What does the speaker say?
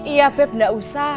iya beb nggak usah